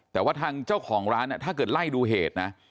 แต่ว่าทางเจ้าของร้านถ้าเกิดไล่ดูเหตุนะ